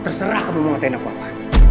terserah kamu mau ngatain aku apa